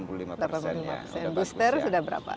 booster sudah berapa